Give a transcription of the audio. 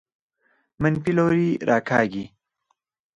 منفي لوري راکاږي.